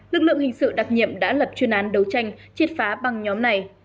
lực lượng hình sự đặc nhiệm đã lập chuyên án đấu tranh triệt phá băng nhóm này